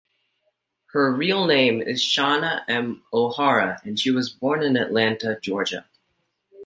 Her real name is Shana M. O'Hara, and she was born in Atlanta, Georgia.